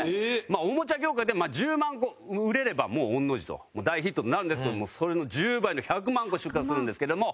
おもちゃ業界では１０万個売れればもう御の字と大ヒットとなるんですけどもそれの１０倍の１００万個出荷するんですけども。